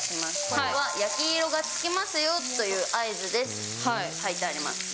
これは焼き色がつきますよという合図です。って書いてあります。